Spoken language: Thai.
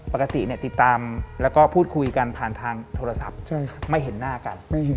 ปกติติดตามแล้วก็พูดคุยกันผ่านทางโทรศัพท์ไม่เห็นหน้ากัน